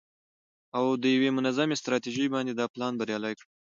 او د یوې منظمې ستراتیژۍ باندې دا پلان بریالی کړم.